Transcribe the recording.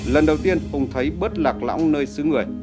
lần đầu tiên hùng thấy bớt lạc lõng nơi xứ người